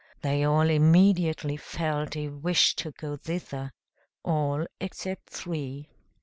They all immediately felt a wish to go thither; all except three.